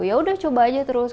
ya udah coba aja terus